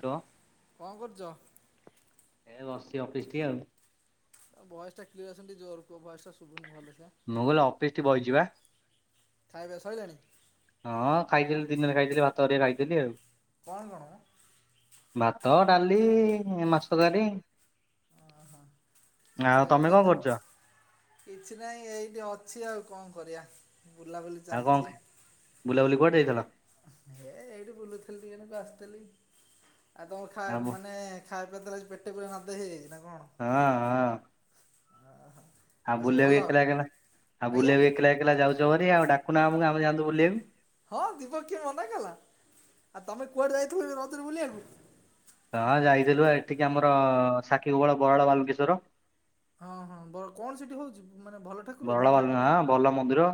Hello କଣ କରୁଛ? ଏ ବସିଛି ଅଫିସ୍ ଟିକେ ଆଉ। ଆ ଭଏସ ଟା କ୍ଲିୟର ଆସୁନି ଜୋର କୁହ ଭଏସଟା ଶୁଭୁନି ଭଲସେ। ମୁଁ କହିଲି ଅଫିସ ଟି ବଇଚି ବା ଖାଇବା ସଇଲାଣି? ହଁ ଖାଇଦଥିଲି ଦିନରେ ଖାଇଥିଲି ଭାତ ହେରିକା ଖାଇଥିଲି ଆଉ। କଣ କଣ? ଭାତ, ଡାଲି, ମାଛ ତରକାରୀ। ଓହୋ ମାଛ ଆଉ ତରକାରୀ ତମେ କଣ ଖାଇଥିଲ? କରୁଛ? କିଛି ନାହିଁ ଏଇଠି ଅଛି ଆଉ କଣ କରିବା ବୁଲାବୁଲି ଆଉ ଚାଲିଛି। କଣ ବୁଲାବୁଲି କୁଆଟେ ଯାଇଥିଲ? ହେ ଏଇଠି ବୁଲୁଥିଲି ଟିକେ ନାକୁ ଆସିଥିଲି ଆଉ ତମ ଖା ଆଉ ମୁଁ- ମାନେ ଖାଇବା ତାହେଲେ ପେଟେ ପୁରା ମାନ୍ଦା ହେଇଯାଇଛି ନା କଣ? ହଁ ହଁ ଓହୋ ଆ ଆଉ ସବୁ ବୁଲିବାକୁ ଭଲ? ଏକଲା ଏକଲା ଆଉ ଆଜ୍ଞା ବୁଲେଇବ ଏକଲା ଏକଲା ଯାଉଛ ଭାରି ଆଉ ଡାକୁନା ଆମକୁ ଆମେ ଯାଆନ୍ତୁ ବୁଲିବାକୁ। ହଁ ଯିବ କିଏ ମନା କଲା ଆଉ ତମେ କୁଆଡେ ଯାଇଥିଲ ରଜରେ ବୁଲିବାକୁ? ହଁ ଯାଇଥିଲୁ ଏଠିକି ଆମର ସାକ୍ଷୀ ଗୋପାଳ ବରାଳ ବାଲୁଙ୍କେଶ୍ଵର। ହଁ ହଁ ବ କଣ ସେଠି ହଉଛି ମାନେ ଭଲ ଠାକୁର ବରାଳ ମାନେ ଠାକୁର ବାଲୁଙ୍କେଶ୍ୱର ଆ ଭଲ ମନ୍ଦିର।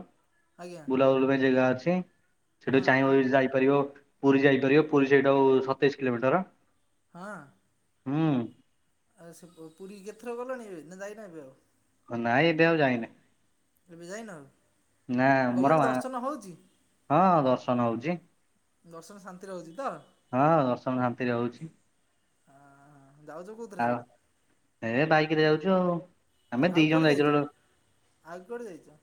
ଆଜ୍ଞା ବୁଲାବୁଲି ପାଇଁ ଜେଗା ଅଛି ସେଠୁ ହଁ ଚାହିଁବ ଆଉ ଯଦି ଯା [unintelligible] ପୁରୀ ଯାଇପାରିବ ପୁରୀ ସେଇଠୁ ଆଉ ସତେଇଶ କିଲୋମିଟର। ହଁ। ହୁଁ। ଆ ସେ ପୁ ପୁରୀ କି କେତେଥର ଗଲଣି ଏବେ ନା ଯାଇନା ଏବେ ଆଉ? ନାଇଁ ଏବେ ଆଉ ଯାଇନି। ଏବେ ଯାଇନ ଆଉ? ନା ଆମର ଗଲାଠୁ ମା, ଦର୍ଶନ ହେଉଛି ହଁ ଦର୍ଶନ ହଉଚି। ଦର୍ଶନ ଶାନ୍ତିରେ ହଉଚି ତ? ହଁ ଦର୍ଶନ ଶାନ୍ତିରେ ହଉଚି। [unintelligible] ଯାଉଚ କୋଉ ଏ ବାଇକି ରେ ଯାଉଚୁ ଆଉ। ଆମେ ଦି ଆଉ ଜଣ କୁଆଡ଼େ ଯାଇଥିଲୁ ଲୋ- ଯାଇଚ? ଆଉ କୁଆଡ଼େ ଯାଇଚ?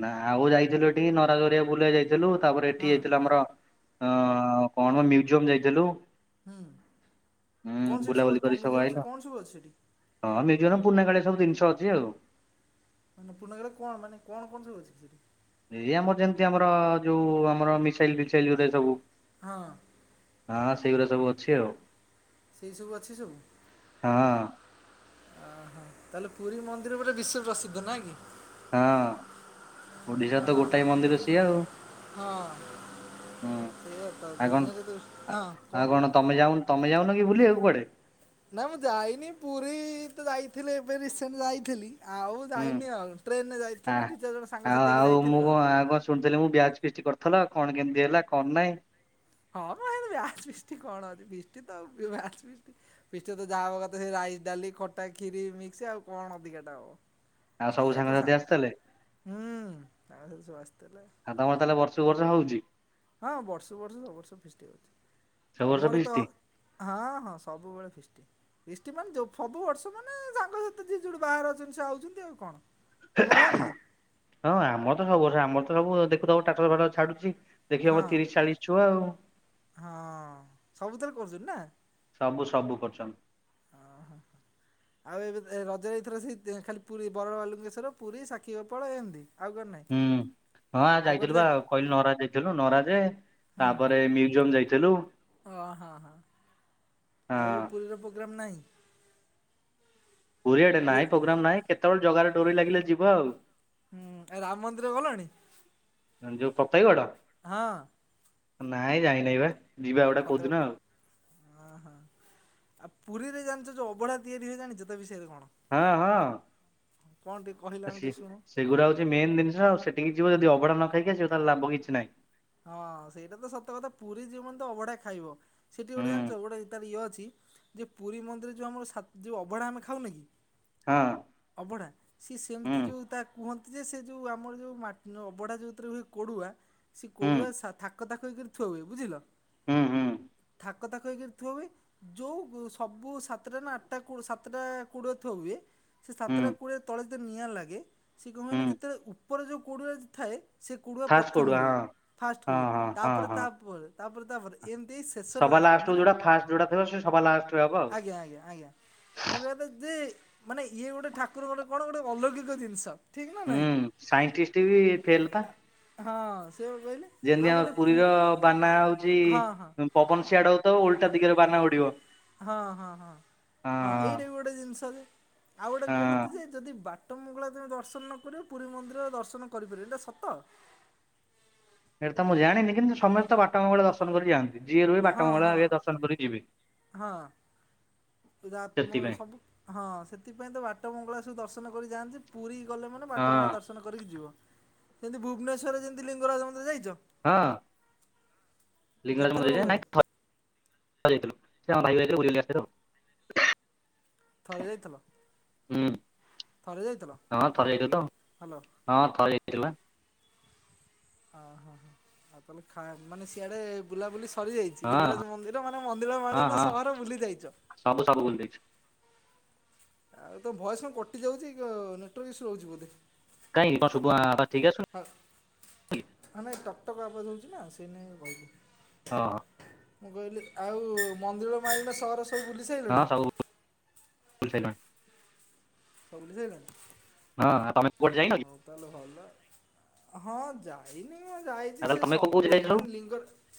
ନା ଆଉ ଯାଇଥିଲୁ ଏଠିକି ନରାଜ ହେରିକା ବୁଲିବାକୁ ଯାଇଥିଲୁ ତାପରେ ହଁ ଏଠିକି ଯାଇଥିଲୁ ଆମର ଅଁବକଣ ମ୍ୟୁଜିୟମ୍ ଯାଇଥିଲୁ। ହୁଁ। ହୁଁ କଣ ସେଠି ସବୁ ବୁଲାବୁଲି ଅଛି କରି କଣ ମ୍ୟୁଜିୟମ୍ ଆଇଲୁ ସେ କଣ ସବୁ ଅଛି ସେଠି? ହଁ ମ୍ୟୁଜିୟମ୍ ରେ ପୁରୁଣା କାଳିଆ ସବୁ ଜିନିଷ ଅଛି ଆଉ। ମାନେ ପୁରୁଣା କାଳିଆ କଣ ମାନେ କଣ କଣ ସବୁ ଅଛି ସେଠି? ଏଇ ଆମର ଯେମିତି ଆମର ଯୋଉ ଆମର ମିସାଇଲ୍ ଫିସାଇଲ୍ ଯୋଉଥିରେ ସବୁ ହଁ। ହଁ ହଁ ସେଇଗୁରା ସବୁ ଅଛି ଆଉ। ସେଇ ସବୁ ଅଛି ସବୁ? ହଁ ଅ ହଁ। ତାହେଲେ ପୁରୀ ମନ୍ଦିର ପୁରା ବିଶ୍ୱ ପ୍ରସିଦ୍ଧ ନା କି? ହଁ। ଓଡିଶା ରେ ତ ହଁ ଗୋଟାଏ ମନ୍ଦିର ସିଏ ଆଉ। ହଁ ହୁଁ ଆଉ କଣ [unintelligible] ଆଉ କଣ ତମେ ଯାଉନ ତମେ ଯାଉନ କି ବୁଲିବାକୁ କୁଆଡ଼େ? ନା ମୁଁ ଯାଇନି। ପୁରୀ ତ ଯାଇଥିଲି ଏବେ ରିସେଣ୍ଟ ଯାଇଥିଲି। ଆଉ ହୁଁ ଯାଇନି ଆଉ। ଟ୍ରେନ୍ ରେ ଆ ଯାଇଥିଲୁ ଦି ଚାରି ଜଣ ଆଉ ସାଙ୍ଗସାଥି ହେଇକି ମୁଁ ଯାଇଥିଲୁ ଆଉ। କଣ କଣ ଶୁଣିଥିଲି ମୁଁ ବ୍ୟାଚ୍ ଫିଷ୍ଟି କରିଥିଲ କଣ କେମିତି ହେଲା କଣ ନାଇଁ। ହଁ ମ ହେରା ବ୍ୟାଚ୍ ଫିଷ୍ଟ କଣ ଫିଷ୍ଟ ତ ଆଉ ବ୍ୟାଚ୍ ଫିଷ୍ଟ ଫିଷ୍ଟ ରେ ତ ଯାହା ହବ କଥା ସେ ରାଇ ଡାଲି, ଖଟା କ୍ଷୀରି, ମିକ୍ସ ଆଉ କଣ ଅଧିକାଟା ହବ। ଆଉ ସେ ସବୁ ତ ସାଙ୍ଗସାଥି ସାଙ୍ଗ, ଆସିଥିଲେ ହୁଁ ସାଙ୍ଗ ସାଥୀ ସବୁ ଆସିଥେଲେ। ଆ ତମର ତାହେଲେ ବର୍ଷକୁ ବର୍ଷ ହଉଚି। ହଁ ବର୍ଷ କୁ ବର୍ଷ ସବୁ ବର୍ଷ ଫିଷ୍ଟି ହଉଚି। ସବୁ ବର୍ଷ ତମର ତ ଫିଷ୍ଟ୍? ହଁ ହଁ ସବୁବେଳେ ଫିଷ୍ଟି। ଫିଷ୍ଟ ମାନେ ଯୋଉ ସବୁ ବର୍ଷ ମାନେ ସାଙ୍ଗସାଥି ଯିଏ ଯୋଉଠି ବାହାରେ ଅଛନ୍ତି ସେ ଆଉଛନ୍ତି ଆଉ କଣ। ତମର ହଉନି କି? ହଁ ଆମର ତ ସବୁ ବର୍ଷ। ଆମର ତ ସବୁ ଦେଖୁଥବ ଷ୍ଟାଟସ୍ ଫାଷ୍ଟସ୍ ଛାଡୁଚି ଦେଖିବ ଆମ ହଁ। ତିରିଶ୍ ଚାଳିଶ୍ ଛୁଆ ଆଉ। ହଁ ସବୁଥରେ କରୁଛନ୍ତି ନା। ସବୁ ସବୁ କରୁଚନ୍ତି। ଅ ହଁ। ଆଉ ଏବେ ରଜରେ ଏଇଥର ସେଇ ଖାଲି ପୁରୀ ବରାଳ ବାଲୁଙ୍କେଶ୍ୱର ପୁରୀ ସାକ୍ଷୀଗୋପାଳ ଏମତି। ହୁଁ। ହଁ ଆ ଯାଇଥିଲୁ ବା ଯାଇନ ଆଉ କହିଲୁ ନରାଜ ଯାଇଥିଲୁ ନରାଜେ ହୁଁ ତାପରେ ମ୍ୟୁଜିୟମ୍ ଯାଇଥିଲୁ। ଓ ହଁ ହଁ। ହଁ ଆଉ ଏବେ ପୁରୀର ପ୍ରୋଗ୍ରାମ୍ ନାହିଁ? ପୁରୀ ଆଡେ ପୁ ନାଇଁ ପ୍ରୋଗ୍ରାମ ନାହିଁ। କେତେବେଳେ ଜଗା ର ଡୋରି ଲାଗିଲେ ଯିବା ଆଉ। ହୁଁ ରାମ ମନ୍ଦିର ଗଲଣି? ଯୋଉ ଫତେଗଡ? ହଁ। ନାଇଁ ଯାଇ ନାହିଁ ବା ଯିବା ଗୋଟେ କଉଦିନ ଆଉ ଅ ହ ଆଉ ପୁରୀରେ ଜାଣିଚ ଯୋଉ ଅବଢା ତିଆରି ହୁଏ, ଜାଣିଚ ତା ବିଷୟରେ କଣ? ଆଉ ହଁ ହଁ କଣ ଟିକେ କହିଲ ଆମେ ସେ ଟିକେ ଶୁଣୁ? ସେଗୁରା ହଉଚି ମେନ ଜିନିଷ ଆଉ ସେଠିକି ଯଦି ଅବଢା ନ ଖାଇକି ଆସିବ ଲାଭ କିଛି ନାହିଁ। ହଁ ସେଇଟା ତ ସତ କଥା ପୁରୀ ଯିବ ମାନେ ତ ଅଭଢା ଖାଇବ। ସେଇଠି ଗୋଟେ ହୁଁ ଜାଣିଚ ଗୋଟେ ତାର ଇଏ ଅଛି ଯେ ପୁରୀ ମନ୍ଦିର ଯେଉଁ ଆମର ସାତ ଯେଉଁ ଅଭଢ଼ା ଆମେ ଖାଉନେ କି? ହଁ। ଅବଢା। ସିଏ ହୁଁ ସେମିତି ଯେଉଁ ତା କୁହନ୍ତି ଯେ ସେ ଯେଉଁ ଆମର ଯେଉଁମା ଅବଢ଼ା ଯେଉଁଥିରେ ହୁଏ କୋଡୁଆ ସେ ହୁଁ କୋଡୁଆ ସା ଥାକ ଥାକ ହେଇକରି ଥୁଆ ହୁଏ। ବୁଝିଲ? ହୁଁ ହୁଁ ଥାକ ଥାକ ଥାକ ହେଇକିରି ଥୁଆ ହୁଏ। ଯୋଉ ସବୁ ସାତଟା ନା ଆଠଟା କୋ ସାତଟା କୋଡୁଆ ଥୁଆ ହୁଏ। ସେ ହୁଁ ସାତଟା କୋଡ଼ିଆରେ ତଳେ ଯେତେ ନିଆଁ ଲାଗେ ସେ କଣ ହୁଁ ହୁଏନା ଯେତେବେଳେ ଉପରେ ଯେଉଁ କୋଡୁଆରେ ଥାଏ ସେ କୁଡ଼ଆ ଫାଷ୍ଟ ପ୍ରଥମେ କୋଡୁଆ ହୁଏ ହଁ ଫାଷ୍ଟ ହଁ ହୁଏ। ହଁ ହଁ ତାପରେ ହଁ। ତାପରେ ତାପରେ ତାପରେ ଏମିତି ଶେଷରେ ସବା ଲାଷ୍ଟ ଲାଷ୍ଟକୁ ମାନେ ଯୋଉଟା ଫାଷ୍ଟ ଯୋଉଟା ଥିବ ସେ ସବା ଲାଷ୍ଟରେ ହବ ଆଉ ଆଜ୍ଞା ଆଜ୍ଞା ଆଜ୍ଞା। ମମୋ କହିଆ କଥା ଯେ ମାନେ ଇଏ ଗୋଟେ ଠାକୁରଙ୍କ ଗୋଟେ କଣ ଗୋଟେ ଅଲୌକିକ ଜିନିଷ। ଠିକ ନା ନାଇଁ? ହୁଁ ସାଇଣ୍ଟିଷ୍ଟ ବି ଫେଲ ପା ଆ ହଁ ସେ ବା କହିଲେ। ଆଉ ଯେମିତି ଆମ ଗୋଟେ ପୁର ପୁରୀର ବାନା ହଉଚି ହଁ ହଁ। ପବନ ସିଆଡେ ହଉଥବ ଓଲଟା ଦିଗରେ ବାନା ଉଡିବ। ହଁ ହଁ ହଁ ହଁ ଏଇଟା ବି ଗୋଟେ ଜିନିଷ ଯେ ଆଉ ଗୋଟେ ହଁ। କୁହନ୍ତି ଯେ ଯଦି ବା ଟ ମଙ୍ଗଳା ତୁମେ ଦର୍ଶନ ନ କରିବ ପୁରୀ ମନ୍ଦିର ଦର୍ଶନ କରିପାରିବନି ଏଇଟା ସତ? ଏଇଟା ତ ମୁଁ ଜାଣିନି କିନ୍ତୁ ସମସ୍ତେ ବାଟମଙ୍ଗଳା ଦର୍ଶନ କରିକି ଯାଆନ୍ତି। ଯିଏ ରୁହେ ହଁ ବାଟମଙ୍ଗଳା ହଁ ଆଗେ ଦର୍ଶନ କରି ଯିବେ। ହଁ। [unintelligible] ମୁ ସେଥିପାଇଁ ସବୁ ହଁ ସେଥିପାଇଁ ତ ବାଟ ମଙ୍ଗଳା ସବୁ ଦର୍ଶନ କରି ଯାଆନ୍ତି ପୁରୀ ଗଲେ ମାନେ ହଁ ବାଟମଙ୍ଗଳା ଦର୍ଶନ କରିକି ଯିବ। ସେମିତି ଭୁବନେଶ୍ୱରରେ ଯେମିତି ଲିଙ୍ଗରାଜ ମନ୍ଦିର ଯାଇଚ? ହଁ ଲିଙ୍ଗରାଜ କେତେଥର ମନ୍ଦିର ଗଲଣି? [unintelligible] ଥରେ ଯାଇଥିଲୁ। ସେ ଆମ [unintelligible] ବୁଲି ବୁଲି ଆସିଥିଲୁ ଆଉ। ଥରେ ଯାଇଥିଲ? ହୁଁ ଥରେ ଯାଇଥିଲ ହଁ ଥରେ ଯାଇଥିଲୁ ତ ହ୍ୟାଲୋ ହଁ ଥରେ ଯାଇଥିଲୁ ପା। ଅହ ହୋ ଆଉ ତାହେଲେ ଖା ମାନେ ସିଆଡେ ବୁଲାବୁଲି ସରିଯାଇଚି ହଁ ଲିଙ୍ଗରାଜ ମନ୍ଦିର ମାନେ ହଁ ମନ୍ଦିମାଲିନ ହଁ ସହର ବୁଲି ଯାଇଚ। ସବୁ ସବୁ ବୁଲି ଦେଇଚୁ। ଆଉ ତୋ ଭଏସ୍ କଣ କଟିଯାଉଚି କ ନେଟୱାର୍କ ଇସୁ ରହୁଚି ବୋଧେ? କାଇଁକି କଣ ଶୁବା ପା ଠିକ ଆସୁନି କି ନାଇଁ ଟକ୍ ଟକ୍ ଆବାଜ ହେଉଚି ନା ସେଇ ନାଗି କହିଲି। ଓ ହୋ। ମୁଁ କହିଲି ଆଉ ମନ୍ଦିର ମାଲୀନ ସହର ସବୁ ବୁଲି ହଁ ସାରିଲଣି ସବୁ ବୁଲି ସାଇଲୁଣି। ସବୁ ବୁଲି ସାଇଲାଣି? ହଁ। ଆ ତମେ କୁଆଡେ ଯାଇନ କି? ହଉ ତାହେଲେ ଭଲ। ହଁ ଯା ଇନି ଯାଇଚି ଆଉ ତାହେଲେ ସେ ତମେ କୋଉ କୋଉ ଜାଗା ସବୁ ଯାଇଛ ମାନେ ଲିଙ୍ଗରାଜ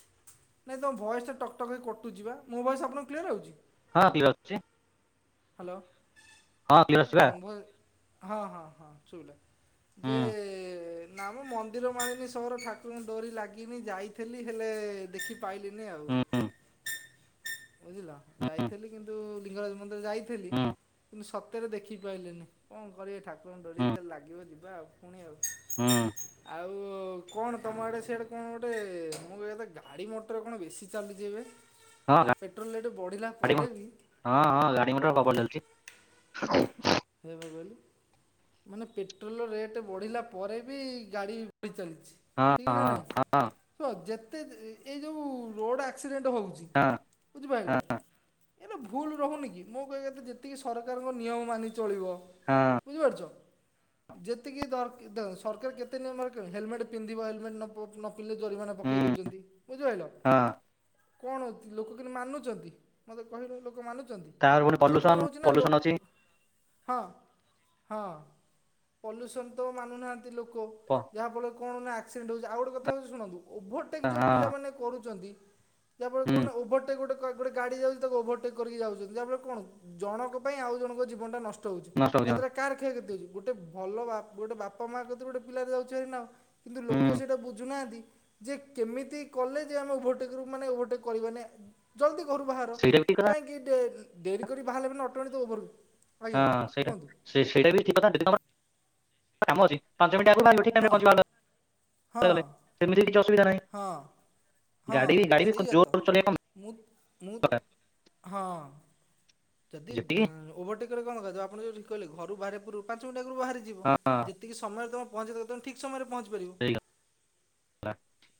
ନାଇଁ ତମ ଭଏସଟା ଟକଟକ ହେଇକି କଟୁଚିବା। ମୋ ଭଏସ୍ ଆପଣକୁ କ୍ଲିୟର ଆଉଚି? ହଁ କ୍ଲିଅର୍ ଆଉଛି। ହାଲୋ ହଁ କ୍ଲିୟର ଏ ଆସୁଛି ବା ତମ୍ ଭଏ ହଁ ହଁ ହଁ ଶୁଭିଲା। ଯେ ହୁଁ ନା ମ ମନ୍ଦିର ମାଳିିନି ସହର ଠାକୁରଙ୍କ ଡୋରି ଲାଗିନି ଯାଇଥେଲି ହେଲେ ଦେଖି ପାଇଲିନି ଆଉ। ହୁଁ ବୁଝିଲ ହୁଁ ହୁଁ ଯାଇଥେଲି କିନ୍ତୁ ଲିଙ୍ଗରାଜ ମନ୍ଦିର ଯାଇଥେଲି ହୁଁ କିନ୍ତୁ ସତ୍ ତେରେ ଦେଖି ପାଇଲିନି କଁ କରିବି ଠାକୁରଙ୍କ ଡୋରି ହୁଁ ଯେତେବେଳେ ଲାଗିବ ଯିବା ଆଉ ଫୁଣି ଆଉ। ହୁଁ ଆଉ ଆଉ କଣ ତମ ଆଡେ ସିଆଡେ କଣ ଗୋଟେ ମୋ କହିବା କଥା ଗାଡି ମଟର କଣ ବେଶୀ ଚାଲିଛିି ଏବେ। ହଁ ପେଟ୍ରୋଲ ରେଟ୍ ବଢିଲା ଗାଡ଼ି ପରେ ବି ହଁ ହଁ ଗାଡି ମଟର ପ୍ରବଳ ଚାଲିଛି। ଖାଇବା ପାଇଁ ଗଲି। ମାନେ ପେଟ୍ରୋଲ ରେଟେ ବଢିଲା ପରେ ବି ଗାଡି ବଢି ଚାଲିଛି। ହଁ ଠିକ ନା ହଁ ହଁ ନାହିଁ! ! ! ! ! ! ! ! ! ! ଯେତେ ଏ ଏଇ ଯୋଉ ରୋଡ ଆକ୍ସିଡେଣ୍ଟ ହଉଚି ହଁ ବୁଝିପାଇଲ। ଏରା ଭୁଲୁ ରହୁନି କି ମୋ କହିବା କଥା ଯେତିକି ସରକାରଙ୍କ ନିୟମ ମାନି ଚଳିବ ହଁ। ବୁଝିପାରୁଚ ଯେତିକି ଦର୍ କି ଦର୍ ସରକାର କେତେ ନିୟମ ଭାର କଲେଣି ହେଲମେଟ୍ ପିନ୍ଧିବ ହେଲମେଟ୍ ନ ପୋପ୍ ନ ପିନ୍ଧିଲେ ଜୋରିମାନା ପକେଇ ହୁଁ ଦଉଛନ୍ତି ବୁଝିପାଇଲ। ହଁ କଣ ହଉତି ଲୋକ କିନ୍ତୁ ମାନଚନ୍ତି ମତେ କହିଲ ଲୋକ ମାନୁଚନ୍ତି। ତାର ଗୋଟେ ପଲୁସନ୍ ପଲୁସନ୍ ଅଛି। ହଁ ହଁ ପଲ୍ୟୁସନ୍ ତ ମାନୁନାହାଁନ୍ତି ଲୋକ ପ ଯାହାଫଳେରେ କଣ ନା ଆକ୍ସିରେଣ୍ଟ ହଉଛି ଆଉ ଗୋଟେ କଥା ହଉଛି ଶୁଣନ୍ତୁ ଓଭରଟେକ୍ ହଁ ଯୋଉ ପିଲାମାନେ କରୁଛନ୍ତି ଯାହାଫଳେରେ କଣ ହୁଁ ନା ଓଭରଟେକ୍ ଗୋଟେ କ ଗୋଟେ ଗାଡି ଯାଉଛି ତାକୁ ଓଭରଟେକ୍ କରିକି ଯାଉଛନ୍ତି ଯାହାଫଳେରେ କଣ ଉ ଜଣଙ୍କ ପାଇଁ ଆଉ ଜଣଙ୍କ ଜୀବନଟା ନଷ୍ ଟ ହଉଚି ନଷ୍ଟ ହଉଛି ହଁ ଏଥିରେ କାର କ୍ଷୟକ୍ଷତି ହଉଛି ଗୋଟେ ଭଲ ବା ଗୋଟେ ବାପା ମା କତିରୁ ଗୋଟେ ପିଲାଟେ ଯାଉଛି ଭାରି ନାଉ। କିନ୍ତୁ ଲୋକ ହୁଁ ସେଇଟା ବୁଝୁନାଆନ୍ତି। ଯେ କେମିତି କଲେ ଯେ ଆମେ ଓଭରଟେକରୁ ମାନେ ଓଭରଟେକ୍ କରିବାନେ। ଜଲ୍ଦି ଘରୁ ବାହାର ସେଇଟା ବି ଠିକ କାହିଁକି ଡେ ଉଁ ଡେରି କରି ବାହାରିଲେ ମାନେ ଅଟୋମେଟିକ୍ ତ ଓଭରୁ ହଁ ସେଇଟା ସେ ସେଇଟା ବି ଠିକ୍ କଥା ଯଦି ତମର କାମ ଅଛି ପାଞ୍ଚ ମିଣ୍ଟି ଆଗୁରୁ ଭାରି ପଡି ହଁ [unintelligible] ହଁ ଗଲେ ସେମିତି କିଛି ଅସୁବିଧା ନାହିଁ। ହଁ ହଁ ଗାଡି ବି ଗାଡି ବି ସେଇଆ ତ ଜୋର ଚଲେଇବା କମ ମୁଁ ମୁଁ ଦରକାର ହଁ। ଯଦି ଦଁ ଯେତିକି ଓଭରଟେକ୍ କରିବା କଁ ଦକାରେ ଯ ଆପଣ ଯୋଉ ଠିକ୍ କହିଲେ ଘରୁ ବାହାରିବା ପୂର୍ବୁରୁ ପାଞ୍ଚ ମିଣ୍ଟି ଆଗୁରୁ ବାହାରି ଯିବ। ହଁ ଯେତିକି ସମୟରେ ତମେ ପହଞ୍ଚିବା ଦକାରେ ତମେ ଠିକ୍ ସମୟରେ ପହଞ୍ଚି ପାରିବ। [unintelligible]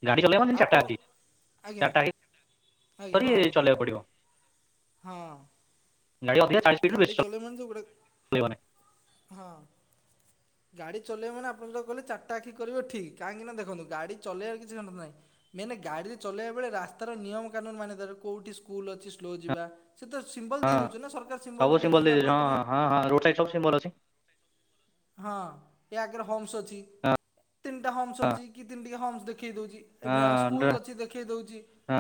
ଗାଡି ଚଲେଇବ ମାନେ ଚାରିଟା ଆପଣ ଆଖି ଆଜ୍ଞା ଚାରିଟା ଆଖି ଆଜ୍ଞା ହଁ କରିକି ଚଲେଇଆକୁ ପଡିବ। ହଁ। [unintelligible] ଗାଡି ଚଲେଇବୁ ମାନେ ସବୁ ଚଲେଇବନି ଗୋଟେ ହଁ। ଗାଡି ଚଲେଇବ ମାନେ ଆପଣ ଯୋଉ କହିଲେ ଚାରିଟା ଆଖି କରିବ ଠିକ୍ କାହିଁକି ନା ଦେଖନ୍ତୁ ଗାଡି ଚଲେଇବାରେ କିଛି [unintelligible] ନାଇଁ ମେନେ ଗାଡିରେ ଚଲେଇବା ବେଳେ ରାସ୍ତାର ନିୟମ କାନୁନ୍ ମାନିବା ଧର କୋଉଠି ସ୍କୁଲ୍ ଅଛି ସ୍ଲୋ ଯିବା। ସିଏ ତ ସିମ୍ବଲ୍ ହଁ ଦେଇ ଦେଉଛନ୍ତି ନା ସରକାର ସିମ୍ବଲ୍ ସବୁ ଦେଇ ସିମ୍ବଲ ଦେଇଛନ୍ତି ଦେଇଦେଇଛି ଯାହାଫଳରେ ହଁ ତୁମେ ହଁ ହଁ ରୋଡ ସାଇଟ୍ ସବୁ ସିମ୍ବଲ୍ ଅଛି। ହଁ ଏ ଆଗରେ ହୋମ୍ସ ଅଛି ହଁ ତିନିଟା ହୋମ୍ସ ଅଛି କି ତିନି ଟିକ ହୋମ୍ସ ଦେଖେଇ ଦଉଛି। ହେରା ହଁ ହଁ ସ୍କୁଲ ଅଛି ଦେଖେଇ ଦଉଛି। ହଁ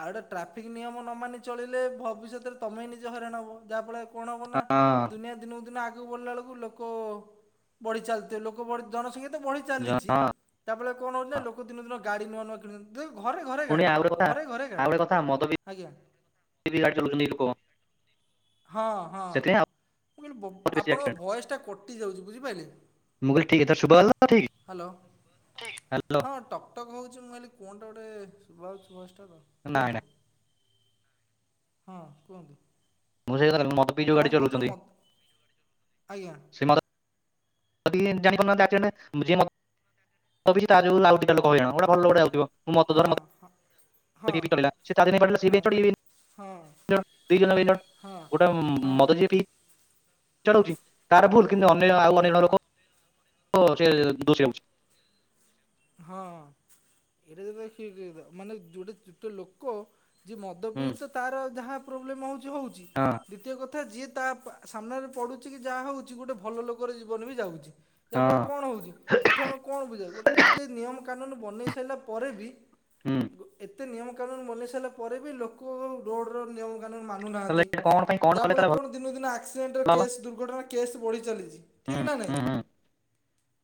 ଆଉ ଟେ ଟ୍ରାଫିକ୍ ନିୟମ ନ ମାନି ଚଳିଲେ ଭବିଷ୍ୟତରେ ତମେ ଇ ନିଜେ ହରାଣ ହବ ଯାହାଫଳରେ କଣ ହବ ନା ହଁ ଦୁନିଆ ଦିନକୁ ଦିନ ଆଗକୁ ବଢିଲା ବେଳକୁ ଲୋକ ବଢି ଚାଲିଥି ଲୋକ ବଢ ଜନସଂଖ୍ୟା ତ ବଢି ଜ- ଚାଲିଛି। ହଁ ତା ପଳରେ କଣଉ ନା ଲୋକ ଦିନକୁ ଦିନ ଗାଡ଼ି ନୂଆ ନୂଆ କିଣଚନ୍ତି। ଦେ ଘରେ ଘରେ ପୁଣି ଗାଡ଼ି ଆଉ ଗୋଟେ କଥା ଘରେ ଘରେ ଆଉ ଗାଡ଼ି ଗୋଟେ କଥା ମଦ ପିଇ ଆଜ୍ଞା। [unintelligible] ହଁ ହଁ ସେଥିପାଇଁ ମୁଁ କନି ଵ ଆହୁରି ବେଶୀ ଆପଣଙ୍କ ଆକ୍ସିଡେଣ୍ଟ ଭଏସ ଟା କଟି ଯାଉଚି ବୁଝପାଇଲେ ମୁଁ କହିଲି ଠିକ ଏଥର ଶୁଭାଗଲା ତ ଠିକ ହେଲୋ ହଁ। ହ୍ୟାଲୋ ହଁ ଟକ୍ ଟକ୍ ହୋଉଛି ମୁଁ କଲି କଣ୍ଟେ ଗୋଟେ ଶୁବା ହଉଛି ବସ୍ଟା ତ ନାଇଁ କୁହନ୍ତୁ ନାଇଁ ହଁ କୁହନ୍ତୁ। ମୁଁ [unintelligible] ହଁ କଣ କହୁଥିଲ ଚଲଉଛନ୍ତି ମୋତ ଆଜ୍ଞା। ସେ ମଦ [unintelligible] [unintelligible] ହଁ ମଦ ହଁ। ହଁ ହଁ [unintelligible] ହଁ ହଁ ହଁ [unintelligible] ହଁ [unintelligible] [unintelligible] ହଁ [unintelligible] ମାନେ ଯୋଡ଼େ ଯୋଟେ ଲୋକ ଯିଏ ମଦ ହୁଁ ପିଉଛି ତ ତାର ଯାହା ପ୍ରୋବ୍ଲେମ ହଉଛି ହଉଛି ହଁ। ଦ୍ଵିତୀୟ କଥା ଯିଏ ତା ପ ସାମ୍ନାରେ ପଡୁଛି କି ଯାହା ହଉଛି ଗୋଟେ ଭଲ ଲୋକର ଜୀବନ ବି ଯାଉଛି। ହଁ ଯାହାଫଳରେ କଣ ହଉଛି ଏଠୁ ଆମେ କଣ ବୁଝ ଗୋଟେ ଏତେ ନିୟମ କାନୁନ ବନେଇ ସାରିଲା ପରେ ବି ହୁଁ। ଏତେ ନିୟମ କାନୁନ ବନେଇ ସାଇଲା ପରେ ବି ଲୋକ ରୋଡ଼ର ନିୟମ କାନୁନ୍ ମାନୁ ତାହେଲେ ନାହାନ୍ତି ଏଇଟା କଣ ପାଇଁ କଣ ଯାହା କଲେ ଫଳ ତାହେଲେ ଭଲ କଣ ଦିନୁ ଉ ଦିନ ଆକ୍ସିଡେଣ୍ଟ ହବ କେସ୍ ଦୂର୍ଘ ର୍ଘଟଣା କେସ୍ ବଢ଼ି ଚାଲିଛି ହୁଁ ଠିକ୍ ନା ନାଇଁ। ହୁଁ ହୁଁ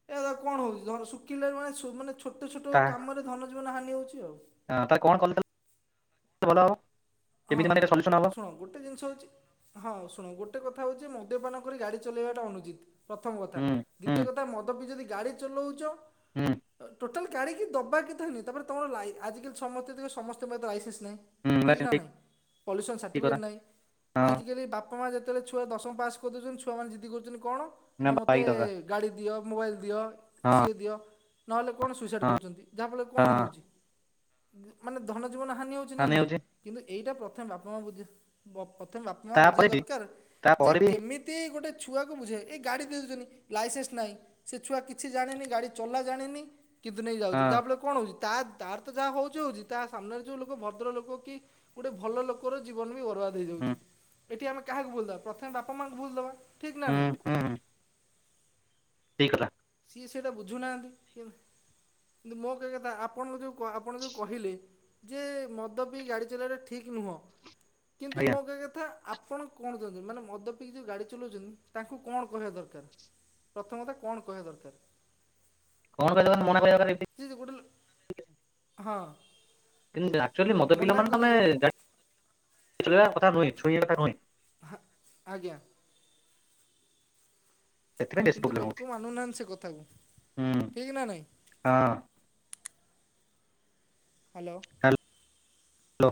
ଏହା ଦ୍ୱା କଣ ହଉଛି ଜନ୍ ଶୁକିଲା ରେ ମାନେ ଶୁ ମାନେ ଛୋଟ ଛୋଟ କାମରେ ଧନ ଜୀବନ ହାନି ହଉଚି ଆଉ। ହଁ ତାଲେ କଣ କଲେ ଭଲ ହବ। ହଁ କେମିତି ହ ମାନେ ସଲ୍ୟୁସନ ହବ ଶୁଣ ଗୋଟେ ଜିନିଷ ହୋଉଚି ହଁ ଶୁଣୁ ଗୋଟେ କଥା ହଉଛି ମଦ୍ୟପାନ କରି ଗାଡି ଚଲେଇବା ଟା ଅନୁଚିତ ପ୍ରଥମ କଥା ହୁଁ ଦି ହୁଁ ତିୟ କଥା ମଦ ବିି ଯଦି ଗାଡି ଚଲଉଚ ହୁଁ ଟୋଟାଲ୍ ଗାଡ଼ିିକି ଦବାକତା ନି ତାପରେ ତମର ଲାଇ ଆଜିକାଲି ସମତେ ଦେଖ୍ ସମସ୍ତ ପାଖ ଲାଇସେନ୍ସ ନାହିଁ। ହୁଁ [unintelligible] ପଲି୍ୟୁସନ୍ ଠିକ ସାର୍ଟିଫିକେଟ୍ କଥା ନାଇଁ ହଁ ଆଜିକାଲି ବାପ ବାପା ମା ଯେତେଳେ ଛୁଆ ଦଶମ ପାସ୍ କରି ଦେଉଛନ୍ତି ଛୁଆମାନେ ଜିଦି କରଛନ୍ତି କଣ ନା ମତେ ବାଇକ୍ ଦରକାର ଗାଡ଼ି ଦିଅ ମୋବାଇଲ ଦିଅ ହଁ ସିଏ ଦିଅ। ନହେଲେ କଣ ସୁଇସାଇଡ଼ ହଁ କରୁଛନ୍ତି ଯାହାଫଳରେ କଣ ହଁ ହୋଉଛି ମାନେ ଧନ ଜୀବନ ହାନି ହେଉଛି। ନା ହଁ ନାଇଁ। ନେଇଯାଉଛି ଏଇଟା ପ୍ରଥମେ ବାପା ମା ବୁଝି ପ୍ରଥମେ ବାପା ମା ବୁଝିବା ତାପରେ ବି ଦରକାର ଯେ ତାପରେ ବି କେମି ଏତେ ଗୋଟେ ଛୁଆକୁ ବୁଝେ ଏ ଗାଡ଼ି ଦେଇ ଦେଉଚନ୍ତି ଲାଇସେନ୍ସ ନାହିଁ। ସେ ଛୁଆ କିଛି ଜାଣିନି ଗାଡି ଚଲା ଜାଣିନି କିନ୍ତୁ ହଁ ନେଇଯାଉଚି ଯାହାଫଳରେ କଣ ହେଉଚି ତା ତାରତ ଯାହା ହେଉଚି ହେଉଚି ତାସାମ୍ନାରେ ଯେଉଁ ଲୋକ ଭଦ୍ରଲୋକ କି ଗୋଟେ ଭଲ ଲୋକର ଜୀବନ ବି ବର୍ବାଦ ହୁଁ ହେଇଯାଉଚି ଏଠି ଆମେ କାହାକୁ ଭୁଲ ଦବା ପ୍ରଥମେ ବାପା ମାଆଙ୍କୁ ଭୁଲ ଦବା। ଠିକ ନା ହୁଁ ନାଇଁ। ଠିକ୍ କଥା। ସିଏ ସେଟା ବୁଝୁନାହାନ୍ତି, କେ କିନ୍ତୁ ମୋ କହିବା କଥା ଆପଣ ଯୋଉ ଆପଣ ଯୋଉ କହିଲେ ଯେ ମଦ ପିଇ ଗାଡ଼ି ଚଲେଇବାଟା ଠିକ ନୁହଁ, କିନ୍ତୁ ଆଜ୍ଞା ମୋ କହିବା କଥା ଆପଣ କଣ ଚାହୁଛନ୍ତି ମାନେ ମଦ ପିିଇକି ଯୋଉ ଗାଡି ଚଲଉଛନ୍ତି ତାଙ୍କୁ କଣ କହିବା ଦରକାର। ପ୍ରଥମତ କଣ କହିବା ଦରକାର? [unintelligible] ସେ ଯେ ଗୋଟେ ହଁ। କିନ୍ତୁ ଆକ୍ଚୁଲି ମଦ ପିଲା ମନା ମାନେ ତମେ କରିବ [unintelligible] କଥା ନୁହେଁ, ଛୁଇଁବା କଥା ନୁହେଁ। ହଁ ଆଜ୍ଞା। ସେଥିପାଇଁ ବେଶୀ କିନ୍ତୁ ପ୍ରୋବ୍ଲେମ ହଉଛି ଲୋକ ମାନୁନାହାନ୍ତି, ସେ କଥାକୁ ହୁଁ ଠିକ ନା ନାଇଁ। ହଁ। ହ୍ୟାଲୋ। ହ୍ୟାଲୋ।